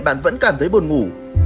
bạn vẫn cảm thấy buồn ngủ